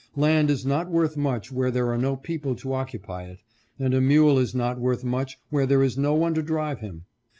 Land is not worth much where there are no people to occupy it, and a mule is not worth much where there is no one to drive him.